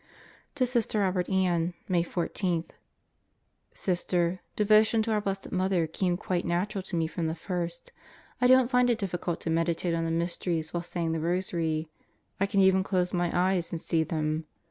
To Sister Robert Ann, May 14: Sister, devotion to our Blessed Mother came quite natural to me from the first. ... I don't find it difficult to meditate on the mysteries while saying the rosary. I can even close my eyes and see them.